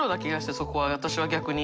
そこは私は逆に。